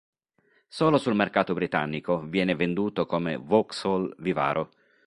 Solo sul mercato britannico viene venduto come Vauxhall Vivaro.